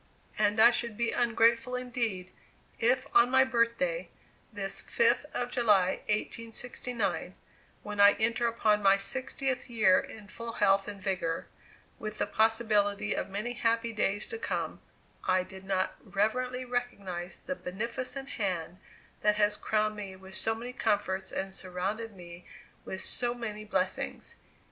And I should be ungrateful indeed, if on my birthday, this fifth of July, 1869, when I enter upon my sixtieth year in full health and vigor, with the possibility of many happy days to come, I did not reverently recognize the beneficent Hand that has crowned me with so many comforts, and surrounded me with so many blessings.